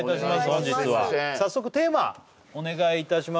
本日は早速テーマお願いいたします